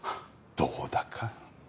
どうだか。